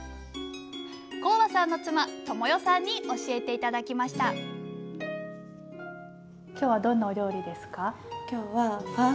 高和さんの妻智世さんに教えて頂きました今日はどんなお料理ですか？